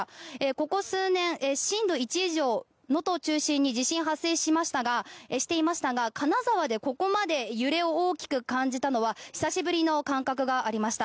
ここ数年、震度１以上能登を中心に地震が発生していましたが金沢でここまで揺れを大きく感じたのは久しぶりの感覚がありました。